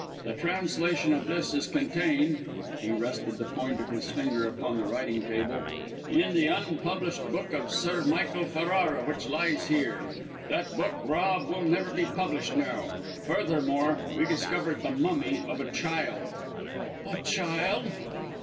The translation of this is contained" he rested the point of his finger upon the writing table "in the unpublished book of Sir Michael Ferrara, which lies here. That book, Rob, will never be published now! Furthermore, we discovered the mummy of a child " "A child."